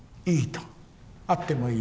会ってもいいと。